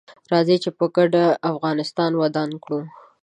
راځي چې په ګډه افغانستان ودان کړو